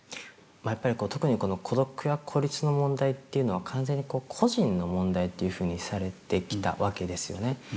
やっぱり特にこの孤独や孤立の問題っていうのは完全に個人の問題っていうふうにされてきたわけですよね。